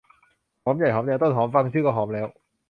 หอมใหญ่ หอมแดง ต้นหอม ฟังชื่อก็หอมแล้ว